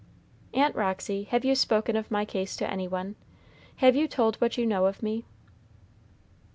"Aunt Roxy, have you spoken of my case to any one, have you told what you know of me?"